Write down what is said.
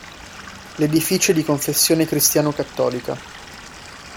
L'edificio è di confessione cristiano cattolica.